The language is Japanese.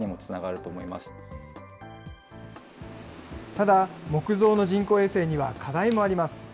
ただ、木造の人工衛星には課題もあります。